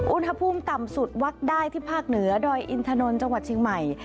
อุณหภูมิต่ำสุดวักได้ที่ภาคเหนือดอยอินทนนท์จังหวัดเชียงใหม่